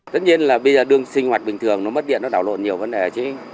tất nhiên là bây giờ đường sinh hoạt bình thường nó mất điện nó đảo lộn nhiều vấn đề ở chứ